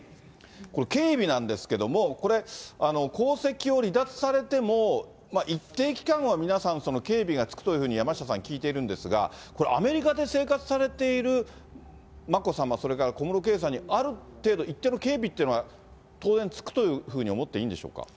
これ、警備なんですけれども、これ、皇籍を離脱されても、一定期間は皆さん、警備がつくというふうに、山下さん、聞いているんですが、これ、アメリカで生活されている眞子さま、それから小室圭さんに、ある程度、一定の警備っていうのは当然、つくというふうに思っていいんでしょうか。